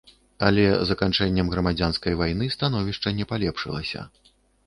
Але заканчэннем грамадзянскай вайны становішча не палепшылася.